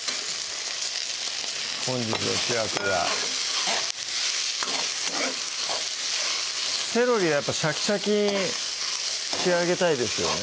本日の主役がセロリはやっぱシャキシャキに仕上げたいですよね